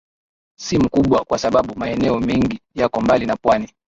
si mkubwa kwa sababu maeneo mengi yako mbali na pwani